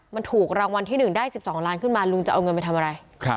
มันถูกรางวัลที่๑ได้๑๒ล้านขึ้นมาลุงจะเอาเงินไปทำอะไร